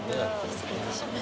失礼いたします。